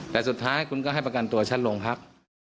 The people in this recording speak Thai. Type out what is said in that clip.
แต่สุดท้ายคุณก็ให้ประกันตัวชั้นลงครับ